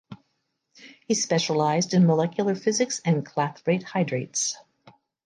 He specialized in molecular physics and clathrate hydrates.